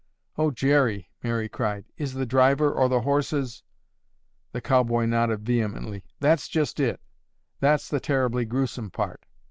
"Oh, Jerry," Mary cried, "is the driver or the horses—" The cowboy nodded vehemently. "That's just it. That's the terribly gruesome part.